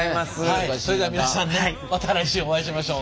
それでは皆さんまた来週お会いしましょう。